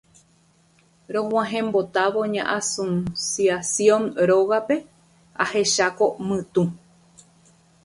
Rog̃uahẽmbotávo ña Anunciación rógape ahecháko mytũ